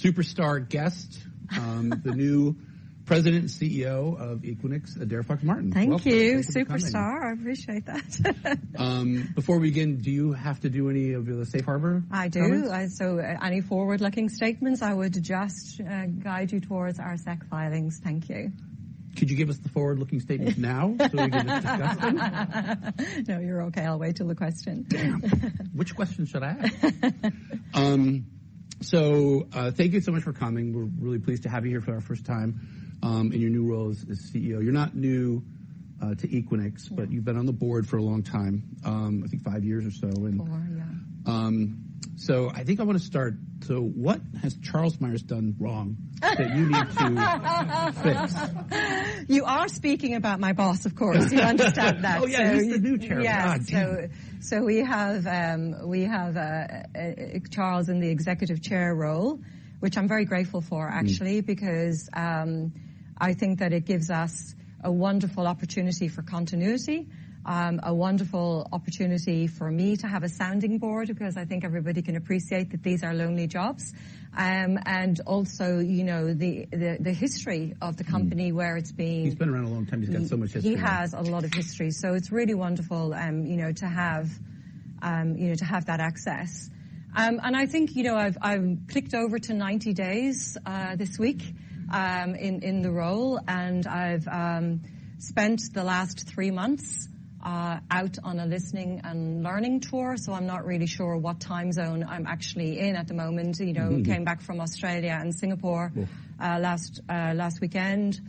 superstar guest, the new President and CEO of Equinix, Adaire Fox-Martin. Thank you. Welcome. Thank you for coming. Superstar, I appreciate that. Before we begin, do you have to do any of the safe harbor items? I do. So any forward-looking statements, I would just guide you towards our SEC filings. Thank you. Could you give us the forward-looking statement now, so we can discuss them? No, you're okay. I'll wait till the question. Damn! Which question should I ask? Thank you so much for coming. We're really pleased to have you here for our first time in your new role as CEO. You're not new to Equinix- No. -but you've been on the board for a long time, I think five years or so, and- Four, yeah. I think I want to start. What has Charles Meyers done wrong that you need to fix? You are speaking about my boss, of course. Do you understand that? Oh, yeah, he's the new chair. Yeah. Got you. So we have Charles in the executive chairman role, which I'm very grateful for, actually- Mm. -because, I think that it gives us a wonderful opportunity for continuity. A wonderful opportunity for me to have a sounding board, because I think everybody can appreciate that these are lonely jobs. And also, you know, the history of the company- Mm. where it's been He's been around a long time. He's got so much history. He has a lot of history, so it's really wonderful, you know, to have that access. And I think, you know, I've clicked over to 90 days this week in the role, and I've spent the last three months out on a listening and learning tour, so I'm not really sure what time zone I'm actually in at the moment. Mm-hmm. You know, came back from Australia and Singapore- Yeah... last weekend,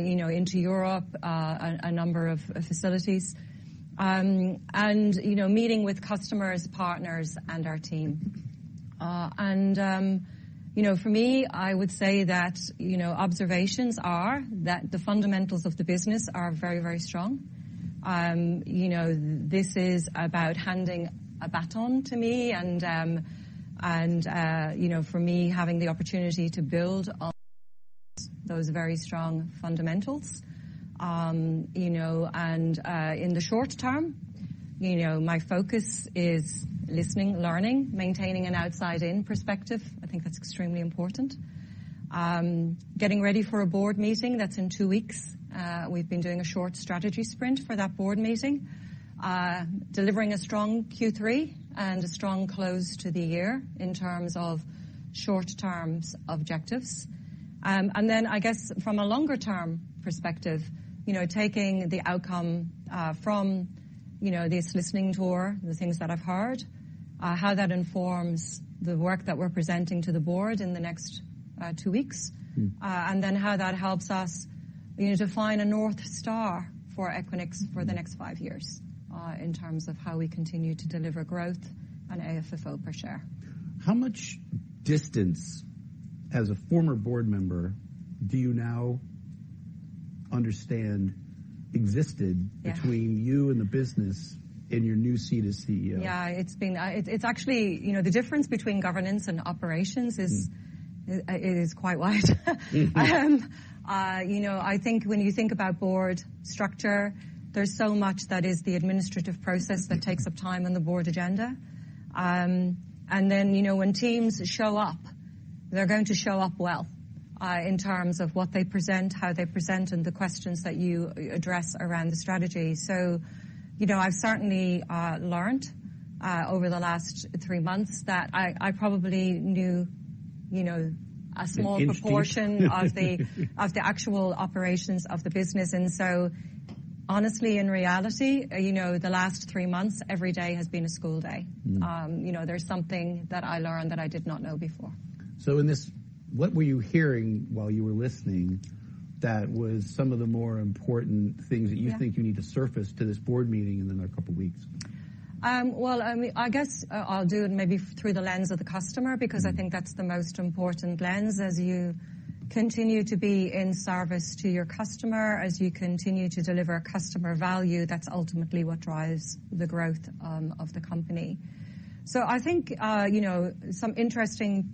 you know, into Europe, a number of facilities. And, you know, meeting with customers, partners, and our team. And, you know, for me, I would say that, you know, observations are that the fundamentals of the business are very, very strong. You know, this is about handing a baton to me, and, you know, for me, having the opportunity to build on those very strong fundamentals. You know, and in the short term, you know, my focus is listening, learning, maintaining an outside-in perspective. I think that's extremely important. Getting ready for a board meeting, that's in two weeks. We've been doing a short strategy sprint for that board meeting. Delivering a strong Q3 and a strong close to the year in terms of short-term objectives. And then I guess from a longer term perspective, you know, taking the outcome from, you know, this listening tour, the things that I've heard, how that informs the work that we're presenting to the board in the next two weeks. Mm. And then how that helps us, you know, define a North Star for Equinix for the next five years, in terms of how we continue to deliver growth and AFFO per share. How much distance, as a former board member, do you now understand existed? Yeah... between you and the business in your new seat as CEO? Yeah, it's been. It's actually, you know, the difference between governance and operations is- Mm... is quite wide. Mm-hmm. You know, I think when you think about board structure, there's so much that is the administrative process- Mm. -that takes up time on the board agenda. And then, you know, when teams show up, they're going to show up well in terms of what they present, how they present, and the questions that you address around the strategy. So, you know, I've certainly learned over the last three months that I probably knew, you know, a small proportion- A hint.... of the actual operations of the business, and so honestly, in reality, you know, the last three months, every day has been a school day. Mm. You know, there's something that I learned that I did not know before. So, in this, what were you hearing while you were listening that was some of the more important things? Yeah... that you think you need to surface to this board meeting in another couple weeks? Well, I guess I'll do it maybe through the lens of the customer- Mm. because I think that's the most important lens. As you continue to be in service to your customer, as you continue to deliver customer value, that's ultimately what drives the growth of the company. So I think, you know, some interesting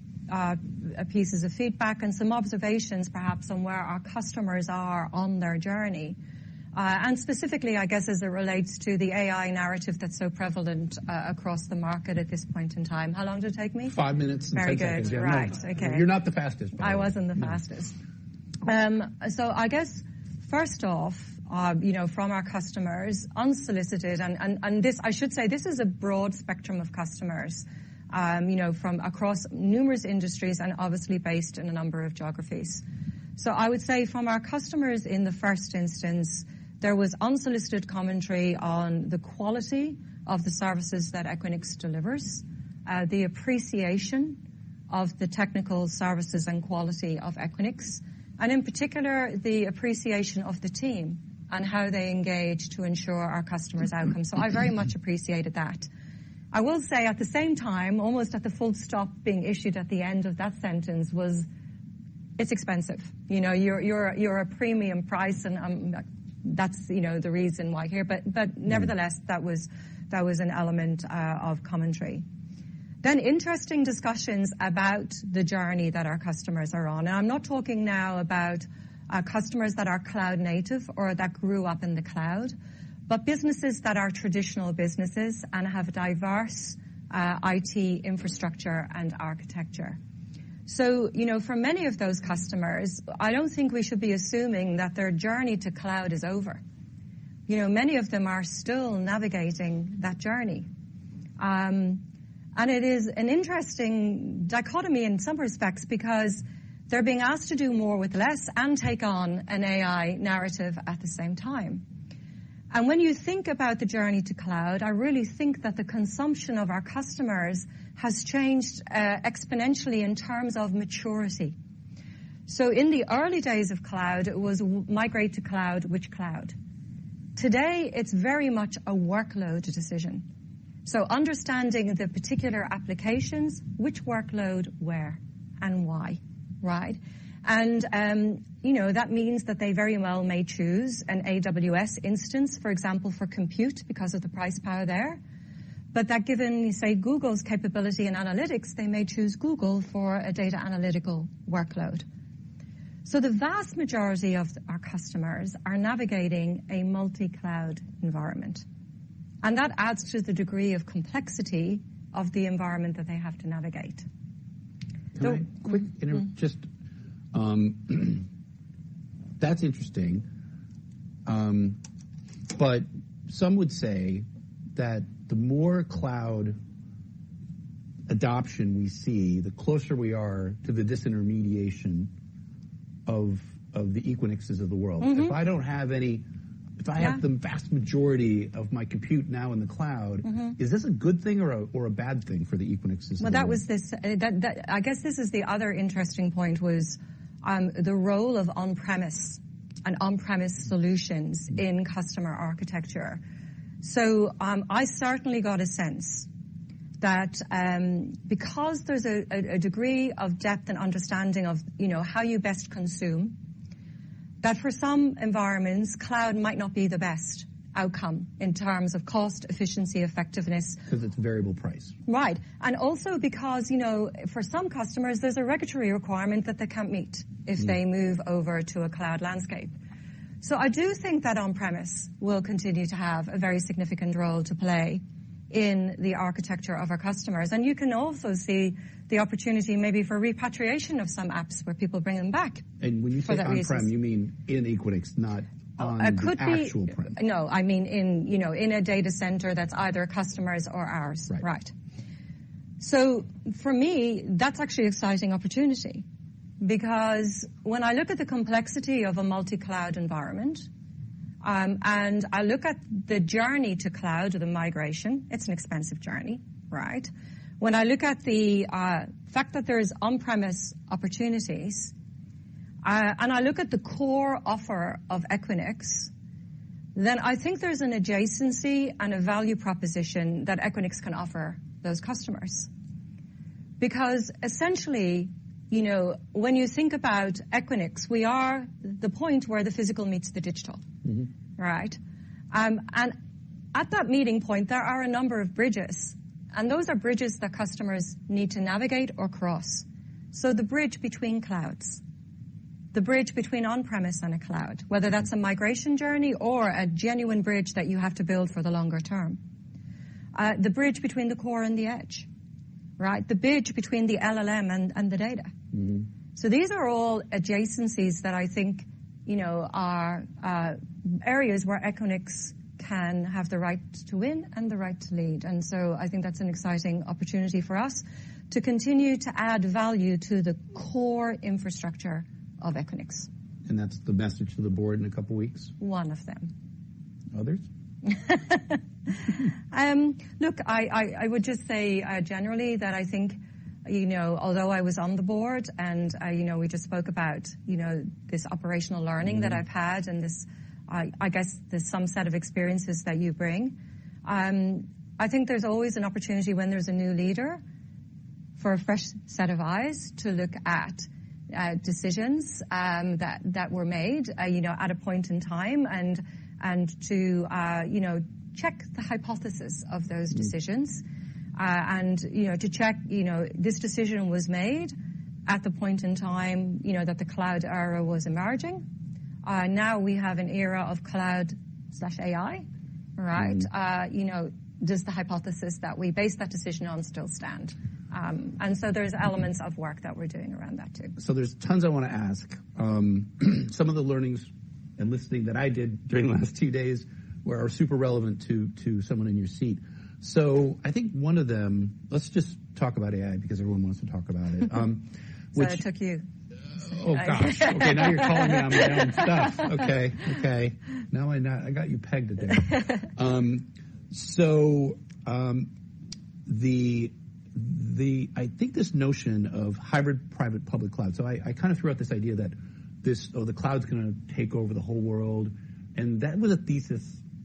pieces of feedback and some observations, perhaps, on where our customers are on their journey, and specifically, I guess, as it relates to the AI narrative that's so prevalent across the market at this point in time. How long did it take me? Five minutes and 10 seconds. Very good. Yeah. All right. Okay. You're not the fastest, but... I wasn't the fastest. Mm. So I guess first off, you know, from our customers, unsolicited, and this. I should say, this is a broad spectrum of customers, you know, from across numerous industries and obviously based in a number of geographies. So I would say from our customers in the first instance, there was unsolicited commentary on the quality of the services that Equinix delivers, the appreciation of the technical services and quality of Equinix, and in particular, the appreciation of the team and how they engage to ensure our customers' outcome. Mm-hmm. So I very much appreciated that. I will say, at the same time, almost at the full stop being issued at the end of that sentence was: it's expensive. You know, you're a premium price, and, that's, you know, the reason why here. Mm. But nevertheless, that was an element of commentary. Then interesting discussions about the journey that our customers are on, and I'm not talking now about our customers that are cloud native or that grew up in the cloud, but businesses that are traditional businesses and have a diverse IT infrastructure and architecture. So, you know, for many of those customers, I don't think we should be assuming that their journey to cloud is over. You know, many of them are still navigating that journey. And it is an interesting dichotomy in some respects because they're being asked to do more with less and take on an AI narrative at the same time. And when you think about the journey to cloud, I really think that the consumption of our customers has changed exponentially in terms of maturity. So in the early days of cloud, it was migrate to cloud, which cloud? Today, it's very much a workload decision. So understanding the particular applications, which workload, where, and why, right? And, you know, that means that they very well may choose an AWS instance, for example, for compute, because of the price power there. But that given, say, Google's capability and analytics, they may choose Google for a data analytical workload. So the vast majority of our customers are navigating a multi-cloud environment, and that adds to the degree of complexity of the environment that they have to navigate. So- Just, that's interesting. But some would say that the more cloud adoption we see, the closer we are to the disintermediation of the Equinixes of the world. Mm-hmm. If I don't have any... Yeah. If I have the vast majority of my compute now in the cloud- Mm-hmm. Is this a good thing or a bad thing for the Equinixes of the world? I guess this is the other interesting point was, the role of on-premise and on-premise solutions in customer architecture. So, I certainly got a sense that, because there's a degree of depth and understanding of, you know, how you best consume, that for some environments, cloud might not be the best outcome in terms of cost, efficiency, effectiveness. 'Cause it's variable price. Right. And also because, you know, for some customers, there's a regulatory requirement that they can't meet- Mm. If they move over to a cloud landscape. So I do think that on-premise will continue to have a very significant role to play in the architecture of our customers, and you can also see the opportunity maybe for repatriation of some apps, where people bring them back for that reason. And when you say on-prem, you mean in Equinix, not on the actual- Could be. No, I mean, in, you know, in a data center that's either customers or ours. Right. Right. So for me, that's actually exciting opportunity, because when I look at the complexity of a multi-cloud environment, and I look at the journey to cloud or the migration, it's an expensive journey, right? When I look at the fact that there is on-premise opportunities, and I look at the core offer of Equinix, then I think there's an adjacency and a value proposition that Equinix can offer those customers. Because essentially, you know, when you think about Equinix, we are the point where the physical meets the digital. Mm-hmm. Right? And at that meeting point, there are a number of bridges, and those are bridges that customers need to navigate or cross. So the bridge between clouds, the bridge between on-premise and a cloud- Mm-hmm. -whether that's a migration journey or a genuine bridge that you have to build for the longer term. The bridge between the core and the edge, right? The bridge between the LLM and the data. Mm-hmm. So these are all adjacencies that I think, you know, are areas where Equinix can have the right to win and the right to lead. And so I think that's an exciting opportunity for us to continue to add value to the core infrastructure of Equinix. That's the message to the board in a couple of weeks? One of them. Others? Look, I would just say, generally, that I think, you know, although I was on the board and, you know, we just spoke about, you know, this operational learning- Mm. that I've had and this, I guess there's some set of experiences that you bring. I think there's always an opportunity when there's a new leader for a fresh set of eyes to look at decisions that were made, you know, at a point in time, and to, you know, check the hypothesis of those decisions. Mm. And, you know, to check, you know, this decision was made at the point in time, you know, that the cloud era was emerging. Now we have an era of cloud/AI, right? Mm. You know, does the hypothesis that we base that decision on still stand? And so there's elements- Mm... of work that we're doing around that, too. There's tons I want to ask. Some of the learnings and listening that I did during the last two days are super relevant to someone in your seat. I think one of them, let's just talk about AI, because everyone wants to talk about it. Which- I took you. Oh, gosh! Okay, now you're calling me on my own stuff. Okay. Okay. Now I know. I got you pegged today. I think this notion of hybrid, private, public cloud. So I kind of threw out this idea that this, oh, the cloud's gonna take over the whole world, and that was a thesis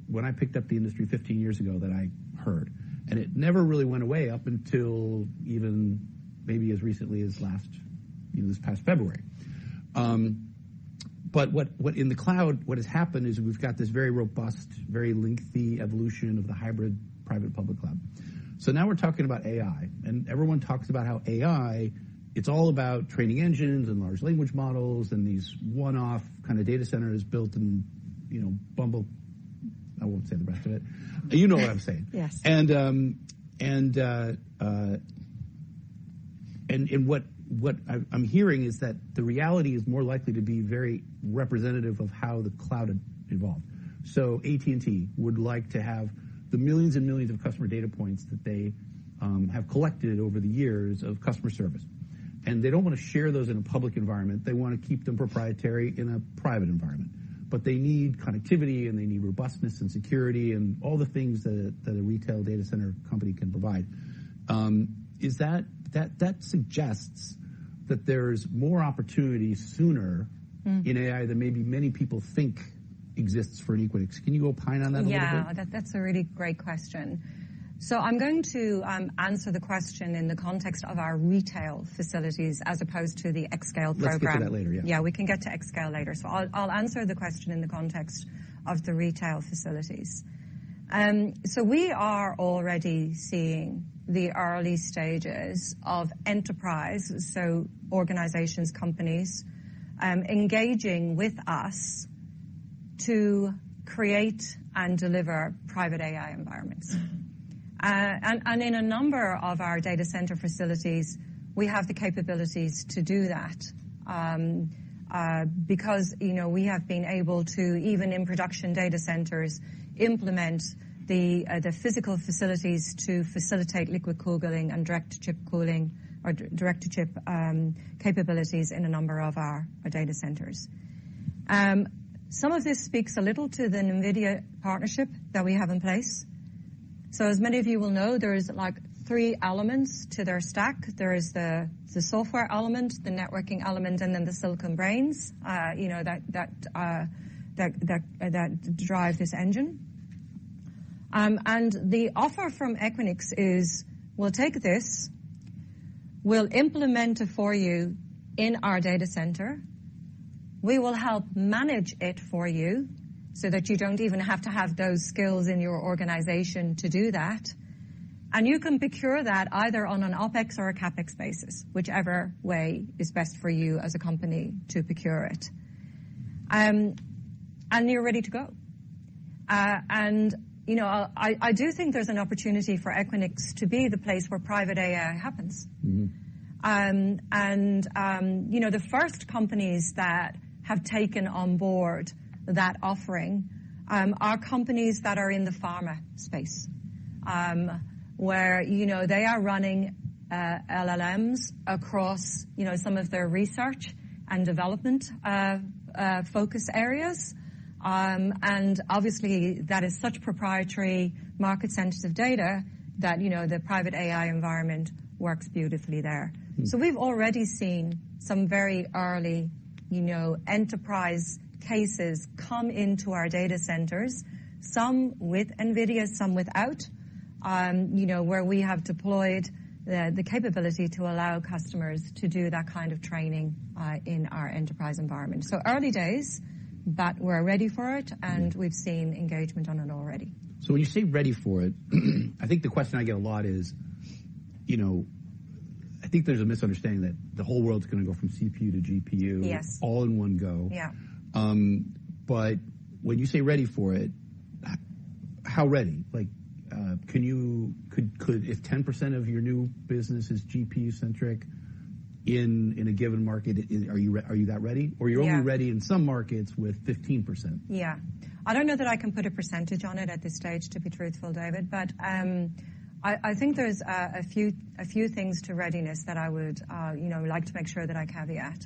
when I picked up the industry 15 years ago that I heard, and it never really went away, up until even maybe as recently as last, you know, this past February. In the cloud, what has happened is we've got this very robust, very lengthy evolution of the hybrid, private, public cloud. So now we're talking about AI, and everyone talks about how AI, it's all about training engines and large language models, and these one-off kind of data centers built in, you know, bumble... I won't say the rest of it. You know what I'm saying? Yes. And what I'm hearing is that the reality is more likely to be very representative of how the cloud evolved. So AT&T would like to have the millions and millions of customer data points that they have collected over the years of customer service, and they don't want to share those in a public environment. They want to keep them proprietary in a private environment. But they need connectivity, and they need robustness and security and all the things that a retail data center company can provide. That suggests that there's more opportunity sooner- Mm. -in AI than maybe many people think exists for Equinix. Can you opine on that a little bit? Yeah, that, that's a really great question. So I'm going to answer the question in the context of our retail facilities as opposed to the xScale program. Let's get to that later, yeah. Yeah, we can get to xScale later. So I'll answer the question in the context of the retail facilities. We are already seeing the early stages of enterprise, so organizations, companies, engaging with us to create and deliver private AI environments. And in a number of our data center facilities, we have the capabilities to do that, because you know, we have been able to, even in production data centers, implement the physical facilities to facilitate liquid cooling and direct chip cooling or direct to chip capabilities in a number of our data centers. Some of this speaks a little to the NVIDIA partnership that we have in place. So as many of you will know, there is like three elements to their stack. There is the software element, the networking element, and then the silicon brains, you know, that drive this engine, and the offer from Equinix is: We'll take this, we'll implement it for you in our data center. We will help manage it for you so that you don't even have to have those skills in your organization to do that, and you can procure that either on an OpEx or a CapEx basis, whichever way is best for you as a company to procure it, and you're ready to go, and you know, I do think there's an opportunity for Equinix to be the place where private AI happens. Mm-hmm. And you know, the first companies that have taken on board that offering are companies that are in the pharma space, where you know, they are running LLMs across you know, some of their research and development focus areas. And obviously that is such proprietary, market-sensitive data that you know, the private AI environment works beautifully there. Mm. So we've already seen some very early, you know, enterprise cases come into our data centers, some with NVIDIA, some without, you know, where we have deployed the capability to allow customers to do that kind of training in our enterprise environment, so early days, but we're ready for it- Mm. and we've seen engagement on it already. So when you say, "ready for it," I think the question I get a lot is, you know... I think there's a misunderstanding that the whole world's gonna go from CPU to GPU. Yes... all in one go. Yeah. But when you say, "ready for it," how ready? Like, if 10% of your new business is GPU-centric in a given market, are you that ready? Yeah. Or you're only ready in some markets with 15%? Yeah. I don't know that I can put a percentage on it at this stage, to be truthful, David, but I think there's a few things to readiness that I would, you know, like to make sure that I caveat.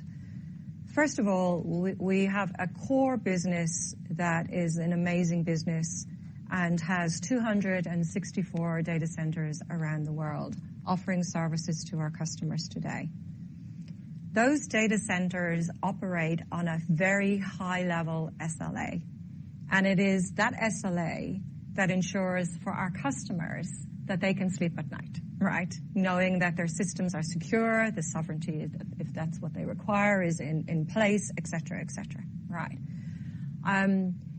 First of all, we have a core business that is an amazing business and has 264 data centers around the world, offering services to our customers today. Those data centers operate on a very high-level SLA, and it is that SLA that ensures for our customers that they can sleep at night, right? Knowing that their systems are secure, the sovereignty, if that's what they require, is in place, et cetera, et cetera. Right.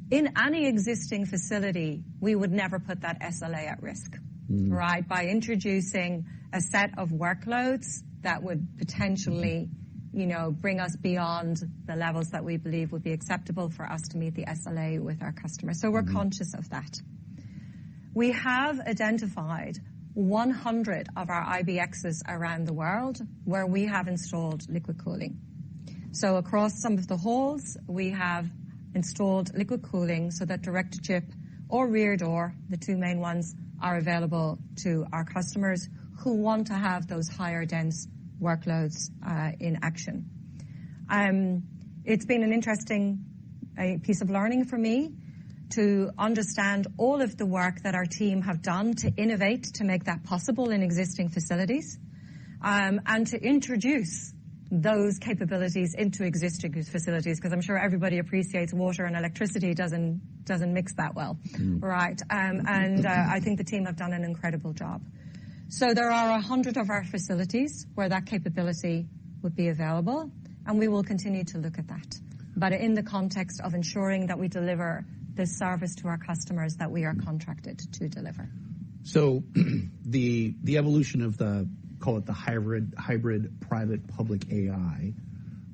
In any existing facility, we would never put that SLA at risk- Mm. Right? By introducing a set of workloads that would potentially, you know, bring us beyond the levels that we believe would be acceptable for us to meet the SLA with our customers. Mm. So we're conscious of that. We have identified 100 of our IBXs around the world where we have installed liquid cooling. So across some of the halls, we have installed liquid cooling so that direct to chip or rear door, the two main ones, are available to our customers who want to have those higher dense workloads in action. It's been an interesting piece of learning for me to understand all of the work that our team have done to innovate to make that possible in existing facilities, and to introduce those capabilities into existing facilities, 'cause I'm sure everybody appreciates water and electricity doesn't mix that well. Mm. Right. I think the team have done an incredible job. So there are 100 of our facilities where that capability would be available, and we will continue to look at that, but in the context of ensuring that we deliver the service to our customers that we are contracted to deliver. So the evolution of the, call it the hybrid private/public AI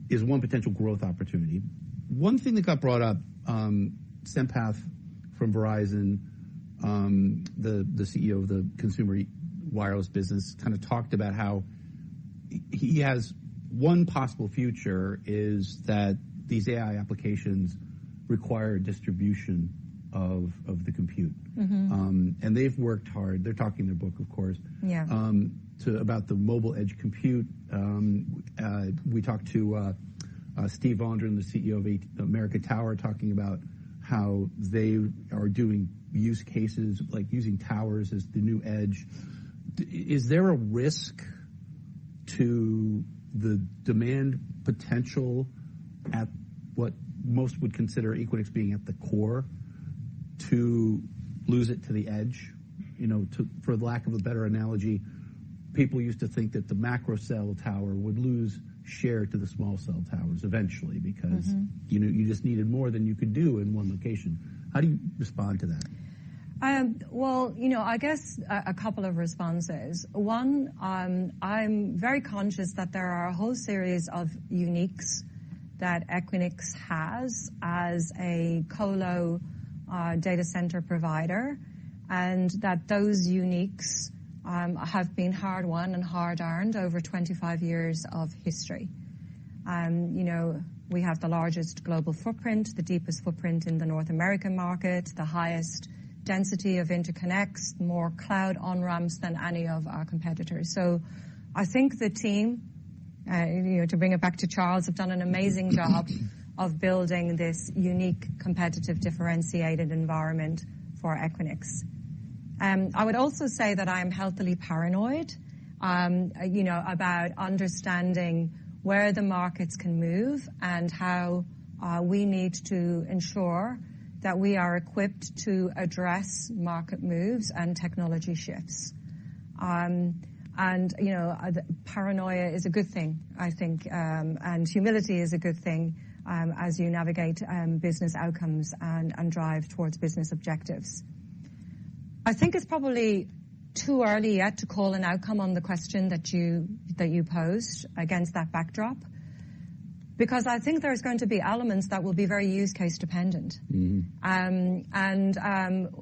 is one potential growth opportunity. One thing that got brought up, Sampath from Verizon, the CEO of the consumer wireless business, kind of talked about how he has one possible future is that these AI applications require distribution of the compute. Mm-hmm. And they've worked hard. They're talking their book, of course. Yeah. About the mobile edge compute, we talked to Steven Vondran, the CEO of American Tower, talking about how they are doing use cases, like using towers as the new edge. Is there a risk to the demand potential at what most would consider Equinix being at the core to lose it to the edge? You know, for lack of a better analogy, people used to think that the macro cell tower would lose share to the small cell towers eventually. Mm-hmm... because, you know, you just needed more than you could do in one location. How do you respond to that? Well, you know, I guess a couple of responses. One, I'm very conscious that there are a whole series of uniques that Equinix has as a colo data center provider, and that those uniques have been hard won and hard earned over 25 years of history, and you know, we have the largest global footprint, the deepest footprint in the North American market, the highest density of interconnects, more cloud on-ramps than any of our competitors, so I think the team, you know, to bring it back to Charles, have done an amazing job of building this unique, competitive, differentiated environment for Equinix. I would also say that I'm healthily paranoid, you know, about understanding where the markets can move and how we need to ensure that we are equipped to address market moves and technology shifts. You know, paranoia is a good thing, I think, and humility is a good thing, as you navigate business outcomes and drive towards business objectives. I think it's probably too early yet to call an outcome on the question that you posed against that backdrop, because I think there's going to be elements that will be very use case dependent. Mm-hmm.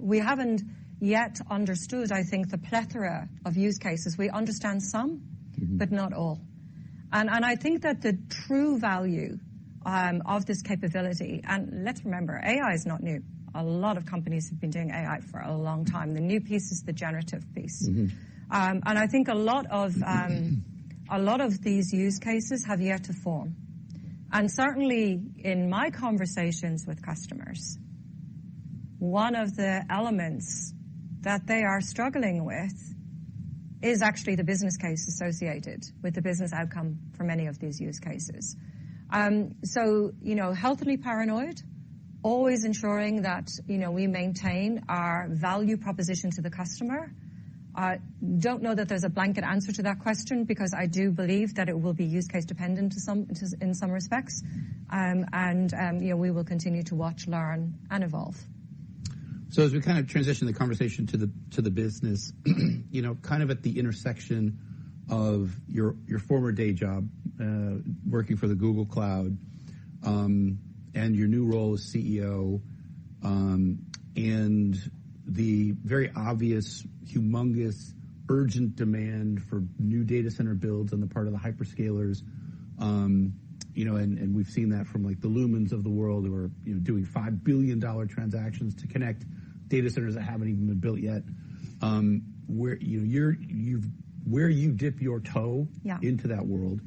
We haven't yet understood, I think, the plethora of use cases. We understand some- Mm-hmm... but not all. And I think that the true value of this capability... And let's remember, AI is not new. A lot of companies have been doing AI for a long time. The new piece is the generative piece. Mm-hmm. I think a lot of these use cases have yet to form, and certainly in my conversations with customers, one of the elements that they are struggling with is actually the business case associated with the business outcome for many of these use cases, so you know, healthily paranoid, always ensuring that, you know, we maintain our value proposition to the customer. I don't know that there's a blanket answer to that question, because I do believe that it will be use case dependent to some, in some respects, and you know, we will continue to watch, learn, and evolve. So as we kind of transition the conversation to the business, you know, kind of at the intersection of your former day job working for the Google Cloud, and your new role as CEO, and the very obvious humongous urgent demand for new data center builds on the part of the hyperscalers. You know, and we've seen that from, like, the Lumen's of the world, who are, you know, doing $5 billion transactions to connect data centers that haven't even been built yet. Where you dip your toe- Yeah... into that world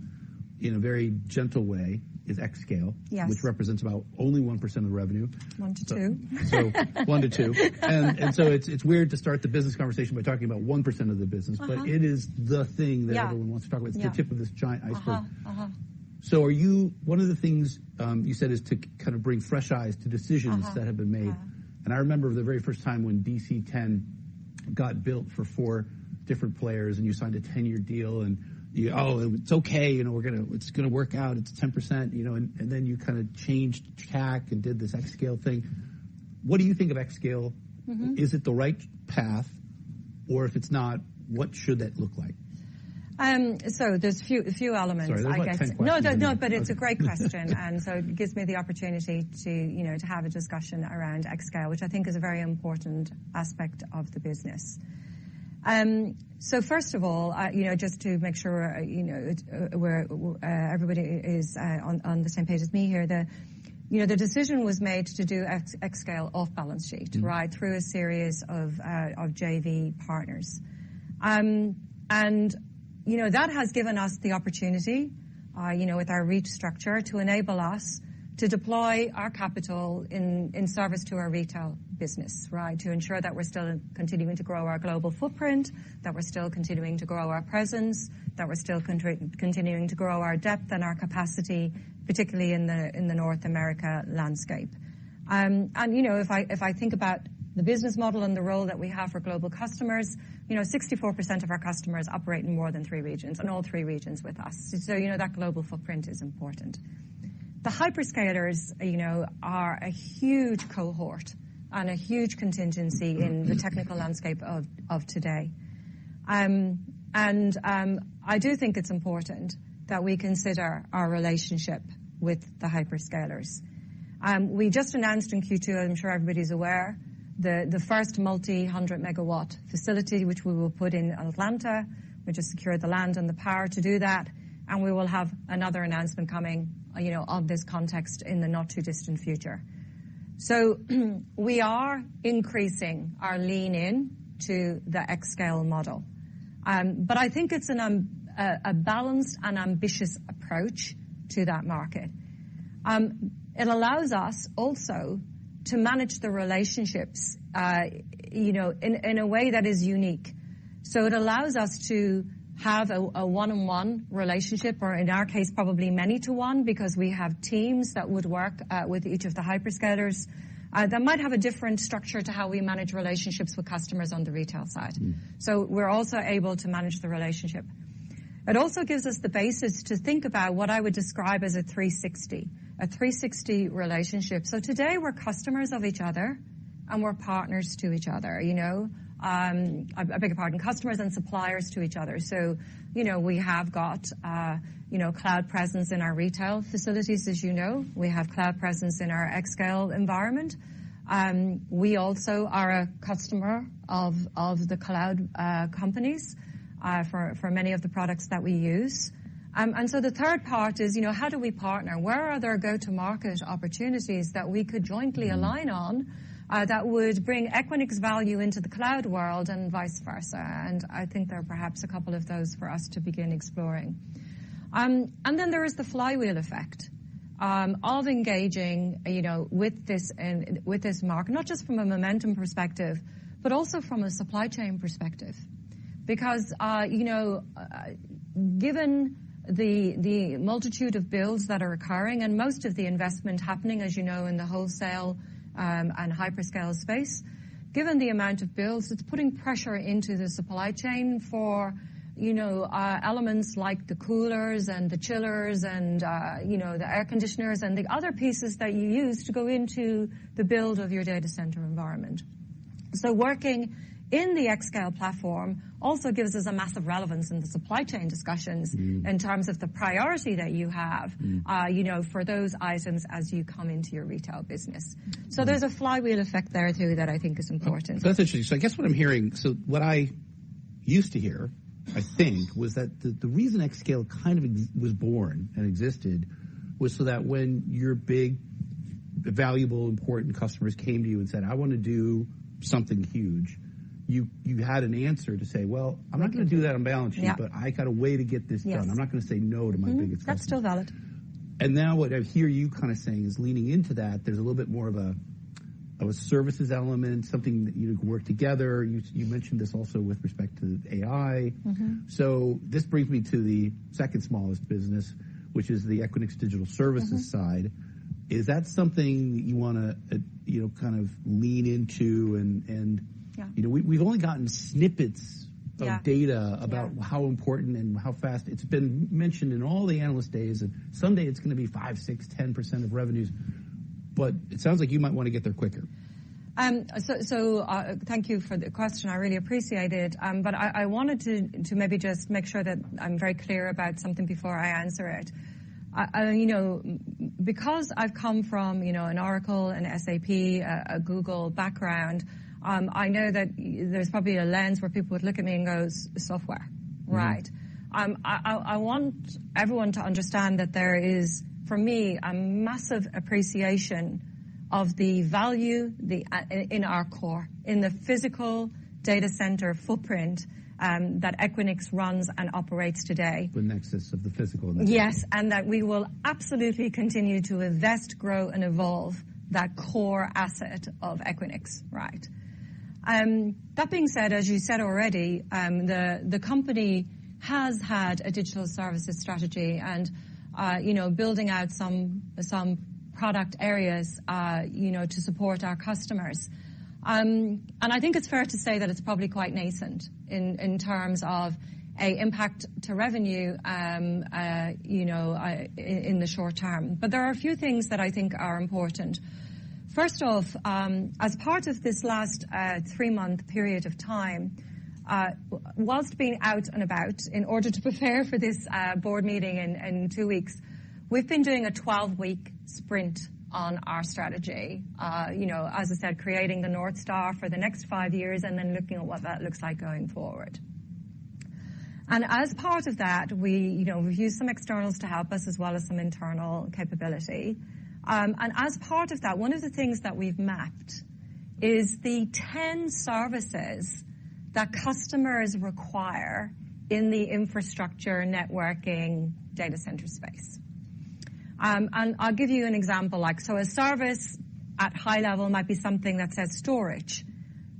in a very gentle way, is xScale. Yes. Which represents about only 1% of the revenue. One to two. So one to two. And so it's weird to start the business conversation by talking about 1% of the business- Mm-hmm... but it is the thing- Yeah... that everyone wants to talk about. Yeah. It's the tip of this giant iceberg. Uh-huh, uh-huh. One of the things you said is to kind of bring fresh eyes to decisions. Uh-huh... that have been made. Uh-huh. I remember the very first time when DC10 got built for four different players, and you signed a 10-year deal, and you, "Oh, it's okay, you know, we're gonna, it's gonna work out. It's 10%," you know, and then you kind of changed tack and did this xScale thing. What do you think of xScale? Mm-hmm. Is it the right path? Or if it's not, what should that look like? There's a few elements- Sorry, there's like 10 questions. No, no, but it's a great question, and so it gives me the opportunity to, you know, to have a discussion around xScale, which I think is a very important aspect of the business, so first of all, you know, just to make sure, you know, everybody is on the same page as me here. You know, the decision was made to do xScale off-balance sheet- Mm-hmm... right? Through a series of JV partners. And, you know, that has given us the opportunity, you know, with our restructure, to enable us to deploy our capital in service to our retail business, right? To ensure that we're still continuing to grow our global footprint, that we're still continuing to grow our presence, that we're still continuing to grow our depth and our capacity, particularly in the North America landscape. And you know, if I think about the business model and the role that we have for global customers, you know, 64% of our customers operate in more than three regions, in all three regions with us, so you know, that global footprint is important. The hyperscalers, you know, are a huge cohort and a huge contingency in the technical landscape of today. I do think it's important that we consider our relationship with the hyperscalers. We just announced in Q2, I'm sure everybody's aware, the first multi-hundred megawatt facility, which we will put in Atlanta, which has secured the land and the power to do that, and we will have another announcement coming, you know, of this context in the not-too-distant future, so we are increasing our lean in to the xScale model, but I think it's a balanced and ambitious approach to that market. It allows us also to manage the relationships, you know, in a way that is unique, so it allows us to have a one-on-one relationship, or in our case, probably many to one, because we have teams that would work with each of the hyperscalers. That might have a different structure to how we manage relationships with customers on the retail side. Mm-hmm. So we're also able to manage the relationship. It also gives us the basis to think about what I would describe as a 360, a 360 relationship. So today, we're customers of each other, and we're partners to each other, you know? I beg your pardon, customers and suppliers to each other. So, you know, we have got, you know, cloud presence in our retail facilities, as you know. We have cloud presence in our xScale environment. We also are a customer of the cloud companies for many of the products that we use. And so the third part is, you know, how do we partner? Where are there go-to-market opportunities that we could jointly align on- Mm. that would bring Equinix value into the cloud world and vice versa? And I think there are perhaps a couple of those for us to begin exploring. And then there is the flywheel effect, of engaging, you know, with this and with this market, not just from a momentum perspective, but also from a supply chain perspective. Because, you know, given the, the multitude of builds that are occurring and most of the investment happening, as you know, in the wholesale, and hyperscale space, given the amount of builds, it's putting pressure into the supply chain for, you know, elements like the coolers and the chillers and, you know, the air conditioners and the other pieces that you use to go into the build of your data center environment. So working in the xScale platform also gives us a massive relevance in the supply chain discussions. Mm. In terms of the priority that you have. Mm. you know, for those items as you come into your retail business. Mm. So there's a flywheel effect there, too, that I think is important. That's interesting. So I guess what I'm hearing... So what I used to hear, I think, was that the reason xScale kind of was born and existed was so that when your big, valuable, important customers came to you and said, "I want to do something huge," you had an answer to say: Well, I'm not going to do that on balance sheet- Yeah. But I got a way to get this done. Yes. I'm not going to say no to my biggest customer. Mm-hmm, that's still valid. Now what I hear you kind of saying is, leaning into that, there's a little bit more of a services element, something that you work together. You, you mentioned this also with respect to AI. Mm-hmm. So this brings me to the second smallest business, which is the Equinix Digital Services side. Mm-hmm. Is that something you want to, you know, kind of lean into and, and- Yeah. You know, we've only gotten snippets of- Yeah... data about how important and how fast. It's been mentioned in all the analyst days, and someday it's going to be 5%, 6%, 10% of revenues, but it sounds like you might want to get there quicker. Thank you for the question. I really appreciate it. But I wanted to maybe just make sure that I'm very clear about something before I answer it. You know, because I've come from, you know, an Oracle, an SAP, a Google background, I know that there's probably a lens where people would look at me and go, "Software," right? Mm-hmm. I want everyone to understand that there is, for me, a massive appreciation of the value in our core, in the physical data center footprint that Equinix runs and operates today. The nexus of the physical. Yes, and that we will absolutely continue to invest, grow, and evolve that core asset of Equinix, right? That being said, as you said already, the company has had a digital services strategy and, you know, building out some product areas, you know, to support our customers. And I think it's fair to say that it's probably quite nascent in terms of a impact to revenue, you know, in the short term. But there are a few things that I think are important. First off, as part of this last three-month period of time, whilst being out and about, in order to prepare for this board meeting in two weeks, we've been doing a 12-week sprint on our strategy. You know, as I said, creating the North Star for the next five years, and then looking at what that looks like going forward. As part of that, we, you know, we've used some externals to help us, as well as some internal capability. As part of that, one of the things that we've mapped is the ten services that customers require in the infrastructure, networking, data center space. I'll give you an example, like, so a service at high level might be something that says storage,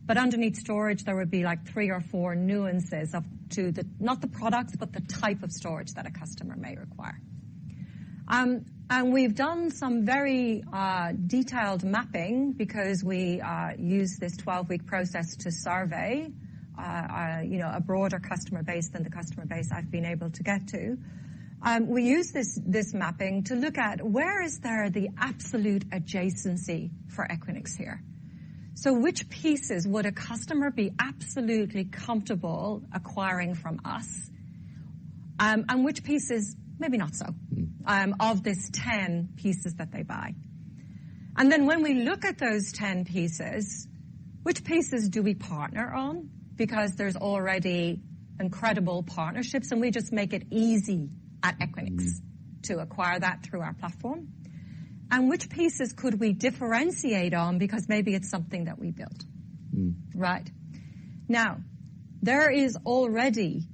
but underneath storage, there would be, like, three or four nuances of... not the product, but the type of storage that a customer may require. We've done some very detailed mapping because we used this 12-week process to survey-... you know, a broader customer base than the customer base I've been able to get to. We use this mapping to look at where is there the absolute adjacency for Equinix here? So which pieces would a customer be absolutely comfortable acquiring from us, and which pieces maybe not so- Mm. of this 10 pieces that they buy? And then when we look at those 10 pieces, which pieces do we partner on? Because there's already incredible partnerships, and we just make it easy at Equinix- Mm. To acquire that through our platform. And which pieces could we differentiate on because maybe it's something that we built? Mm. Right. Now, there is already,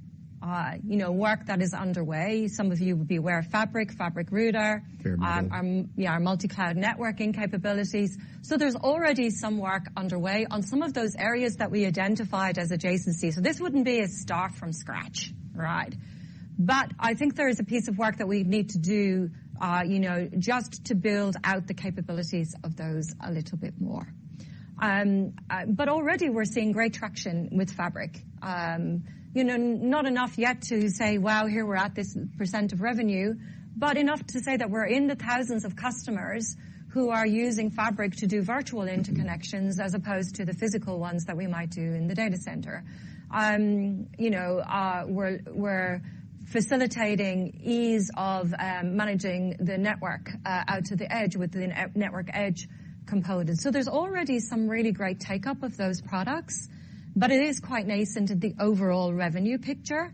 you know, work that is underway. Some of you would be aware of Fabric, Fabric Router- Fair point. Yeah, our multi-cloud networking capabilities. So there's already some work underway on some of those areas that we identified as adjacency, so this wouldn't be a start from scratch, right? But I think there is a piece of work that we need to do, you know, just to build out the capabilities of those a little bit more. But already we're seeing great traction with Fabric. You know, not enough yet to say: wow, here we're at this % of revenue, but enough to say that we're in the thousands of customers who are using Fabric to do virtual interconnections as opposed to the physical ones that we might do in the data center. You know, we're facilitating ease of managing the network out to the edge with the Network Edge component. So there's already some really great take-up of those products, but it is quite nascent in the overall revenue picture.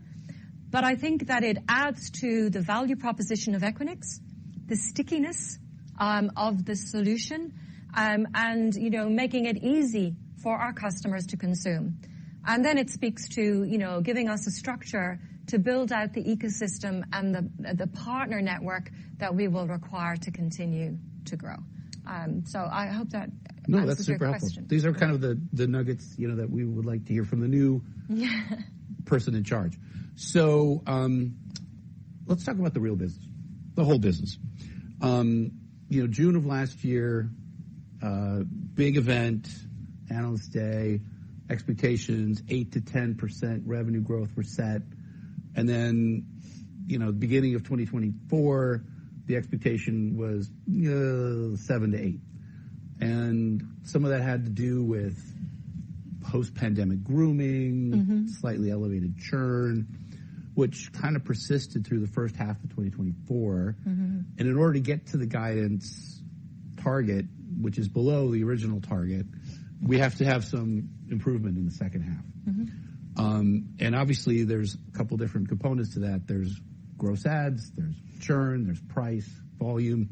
But I think that it adds to the value proposition of Equinix, the stickiness of the solution, and, you know, making it easy for our customers to consume. And then it speaks to, you know, giving us a structure to build out the ecosystem and the partner network that we will require to continue to grow. So I hope that answers your question. No, that's super helpful. These are kind of the nuggets, you know, that we would like to hear from the new- Yeah. Person in charge. So, let's talk about the real business, the whole business. You know, June of last year, big event, analyst day, expectations 8% to 10% revenue growth were set. And then, you know, beginning of 2024, the expectation was, 7% to 8%. And some of that had to do with post-pandemic grooming. Mm-hmm. Slightly elevated churn, which kind of persisted through the first half of 2024. Mm-hmm. In order to get to the guidance target, which is below the original target, we have to have some improvement in the second half. Mm-hmm. And obviously, there's a couple different components to that. There's gross adds, there's churn, there's price, volume.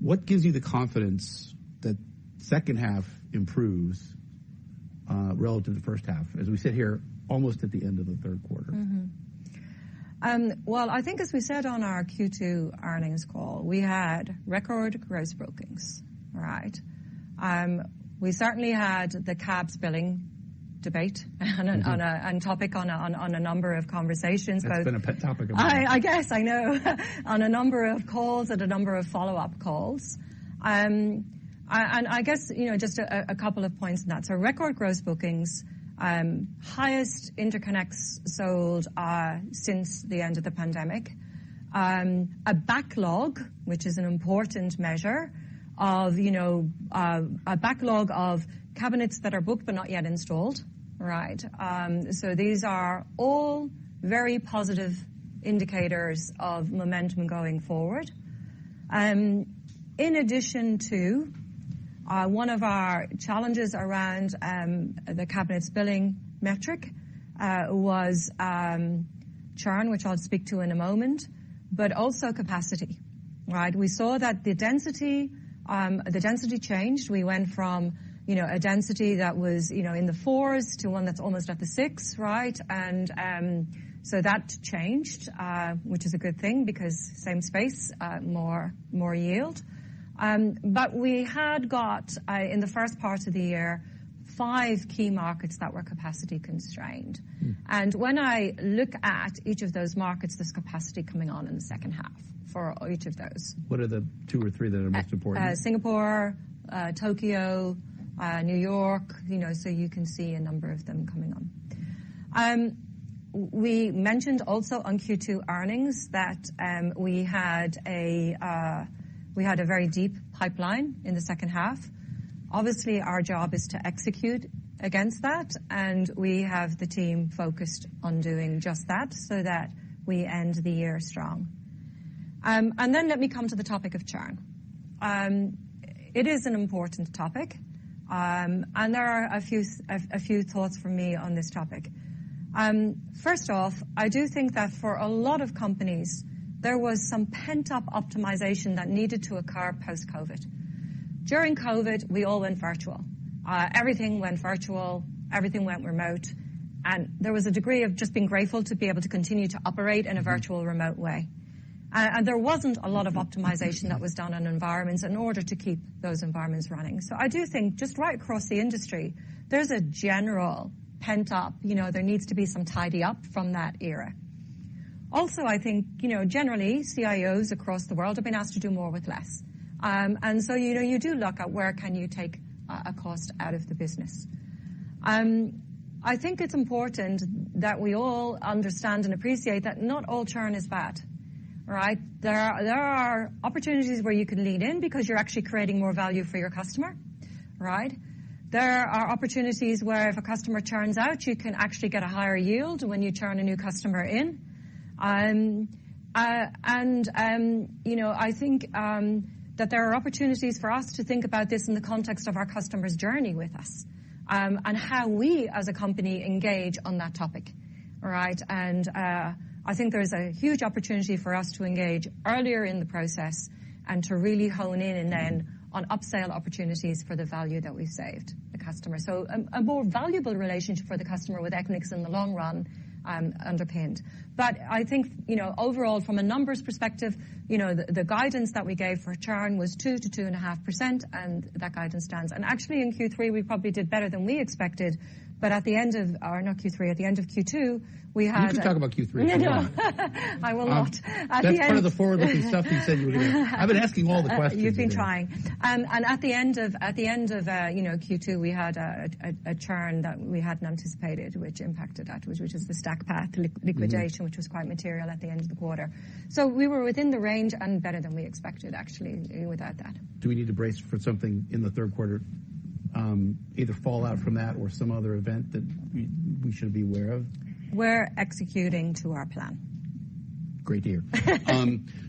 What gives you the confidence that second half improves, relative to the first half, as we sit here almost at the end of the third quarter? Well, I think, as we said on our Q2 earnings call, we had record gross bookings, right? We certainly had the cab spelling debate - Mm-hmm on a number of conversations, but- It's been a pet topic of mine. I guess I know. On a number of calls and a number of follow-up calls. And I guess, you know, just a couple of points on that. So record gross bookings, highest interconnects sold, since the end of the pandemic. A backlog, which is an important measure of, you know, a backlog of cabinets that are booked but not yet installed, right? So these are all very positive indicators of momentum going forward. In addition to one of our challenges around the cabinet utilization metric was churn, which I'll speak to in a moment, but also capacity, right? We saw that the density changed. We went from, you know, a density that was, you know, in the fours to one that's almost at the six, right? And so that changed, which is a good thing, because same space, more yield. But we had got in the first part of the year, five key markets that were capacity constrained. Mm. When I look at each of those markets, there's capacity coming on in the second half for each of those. What are the two or three that are most important? Singapore, Tokyo, New York, you know, so you can see a number of them coming on. We mentioned also on Q2 earnings that we had a very deep pipeline in the second half. Obviously, our job is to execute against that, and we have the team focused on doing just that, so that we end the year strong. Then let me come to the topic of churn. It is an important topic, and there are a few thoughts from me on this topic. First off, I do think that for a lot of companies, there was some pent-up optimization that needed to occur post-COVID. During COVID, we all went virtual. Everything went virtual, everything went remote, and there was a degree of just being grateful to be able to continue to operate in a virtual, remote way. And there wasn't a lot of optimization that was done on environments in order to keep those environments running. So I do think just right across the industry, there's a general pent-up, you know, there needs to be some tidy up from that era. Also, I think, you know, generally, CIOs across the world have been asked to do more with less. And so, you know, you do look at where can you take a cost out of the business. I think it's important that we all understand and appreciate that not all churn is bad, right? There are opportunities where you can lean in because you're actually creating more value for your customer, right? There are opportunities where if a customer churns out, you can actually get a higher yield when you churn a new customer in, and you know, I think that there are opportunities for us to think about this in the context of our customer's journey with us, and how we, as a company, engage on that topic, all right, and I think there's a huge opportunity for us to engage earlier in the process and to really hone in, and then on upsell opportunities for the value that we've saved the customer, so a more valuable relationship for the customer with Equinix in the long run, underpinned, but I think, you know, overall, from a numbers perspective, you know, the guidance that we gave for churn was 2% to 2.5%, and that guidance stands. Actually, in Q3, we probably did better than we expected, but at the end of... Or not Q3, at the end of Q2, we had- We can just talk about Q3 if you want. I will not. At the end- That's part of the forward-looking stuff you said you would do. I've been asking all the questions. You've been trying. And at the end of, you know, Q2, we had a churn that we hadn't anticipated, which impacted that, which is the StackPath li- Mm-hmm. liquidation, which was quite material at the end of the quarter. So we were within the range and better than we expected, actually, without that. Do we need to brace for something in the third quarter, either fallout from that or some other event that we should be aware of? We're executing to our plan. Great to hear.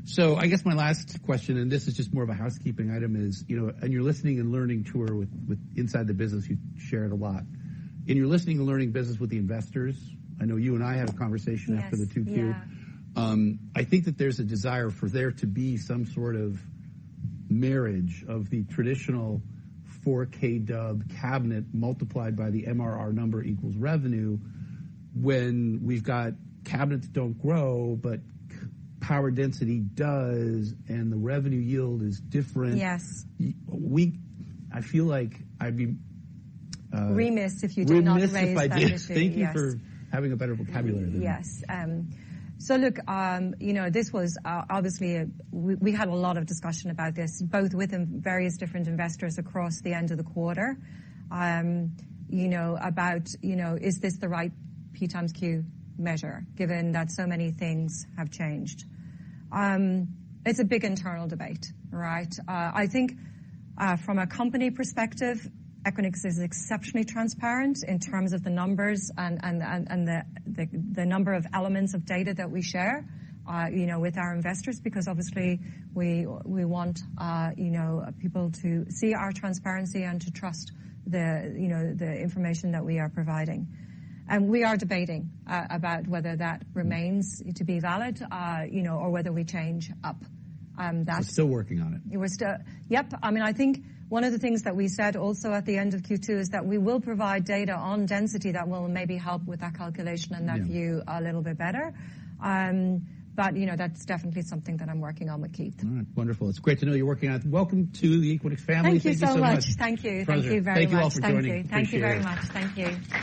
So I guess my last question, and this is just more of a housekeeping item, is, you know, on your listening and learning tour with inside the business, you've shared a lot. In your listening and learning business with the investors, I know you and I had a conversation- Yes. after the Q2. Yeah. I think that there's a desire for there to be some sort of marriage of the traditional 4K dub cabinet multiplied by the MRR number equals revenue, when we've got cabinets that don't grow, but power density does, and the revenue yield is different. Yes. I feel like I'd be Remiss if you do not raise that issue. Remiss if I didn't. Yes. Thank you for having a better vocabulary than me. Yes. So look, you know, this was obviously, we had a lot of discussion about this, both with various different investors across the end of the quarter. You know, is this the right P x Q measure, given that so many things have changed? It's a big internal debate, right? I think, from a company perspective, Equinix is exceptionally transparent in terms of the numbers and the number of elements of data that we share, you know, with our investors, because obviously we want, you know, people to see our transparency and to trust the, you know, the information that we are providing. And we are debating about whether that remains- Mm. -to be valid, you know, or whether we change up, that- You're still working on it? I mean, I think one of the things that we said also at the end of Q2 is that we will provide data on density that will maybe help with that calculation and that view. Yeah A little bit better. But you know, that's definitely something that I'm working on with Keith. All right. Wonderful. It's great to know you're working on it. Welcome to the Equinix family. Thank you so much. Thank you so much. Thank you. Pleasure. Thank you very much. Thank you all for joining. Appreciate it. Thank you very much. Thank you.